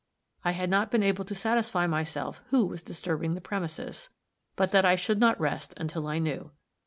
I had not been able to satisfy myself who was disturbing the premises; but that I should not rest until I knew.